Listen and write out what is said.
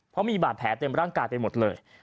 เพราะมีบาดแผลเต็มร่างกายไปหมดเลย